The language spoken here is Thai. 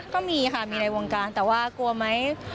ก็มีค่ะมีในวงการแต่ว่ากลัวไหม